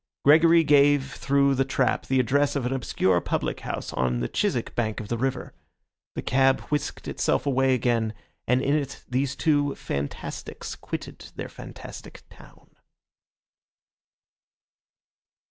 Gregory gave through the trap the address of an obscure public house on the Chiswick bank of the river. The cab whisked itself away again, and in it these two fantastics quitted their fantastic town.